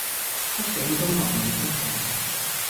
畢竟中國冇得踢